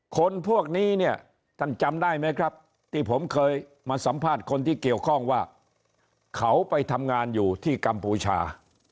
คนพวกนี้เนี่ยท่านจำได้ไหมครับที่ผมเคยมาสัมภาษณ์คนที่เกี่ยวข้องว่าเขาไปทำงานอยู่ที่กัมพูชา